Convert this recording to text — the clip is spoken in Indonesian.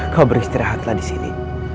kau beristirahatlah disini